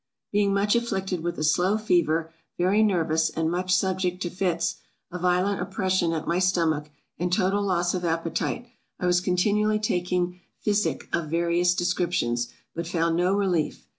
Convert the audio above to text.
BEING much afflicted with a slow fever, very nervous, and much subject to fits, a violent oppression at my stomach, and total loss of appetite; I was continually taking physic of various descriptions, but found no relief.